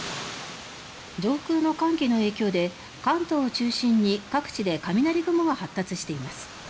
上空の寒気の影響で関東を中心に各地で雷雲が発達しています。